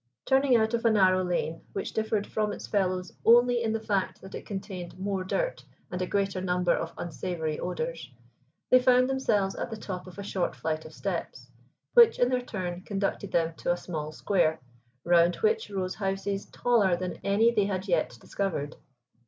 Turning out of a narrow lane, which differed from its fellows only in the fact that it contained more dirt and a greater number of unsavory odors, they found themselves at the top of a short flights of steps, which in their turn conducted them to a small square, round which rose houses taller than any they had yet discovered.